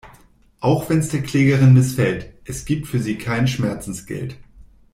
Auch wenn's der Klägerin missfällt: es gibt für sie kein Schmerzensgeld.